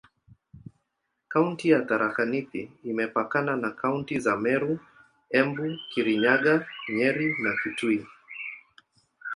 Kaunti ya Tharaka Nithi imepakana na kaunti za Meru, Embu, Kirinyaga, Nyeri na Kitui.